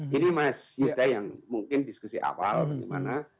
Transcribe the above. ini mas yuda yang mungkin diskusi awal bagaimana